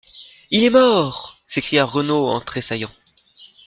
—Il est mort !…» s’écria Renaud en tressaillant.